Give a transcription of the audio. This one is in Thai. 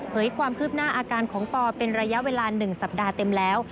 ความคืบหน้าอาการของปอเป็นระยะเวลา๑สัปดาห์เต็มแล้ว